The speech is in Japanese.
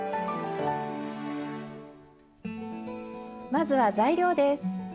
まずは材料です。